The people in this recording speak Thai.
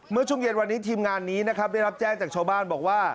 เมื่อช่วงเย็นวันนี้ทีมงานนี้นะครับได้รับแจ้งจากชาวบ้านบอกว่า